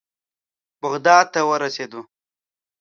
بغداد ته ورسېدو.